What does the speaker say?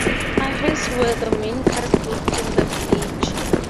Ahirs were the main caste group in the village.